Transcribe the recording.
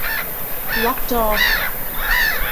ล็อกจอ